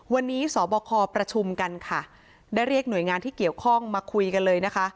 วันนี้สบคประชุมกันค่ะได้เรียกหน่วยงานที่เกี่ยวข้องมาคุยกันเลยนะคะ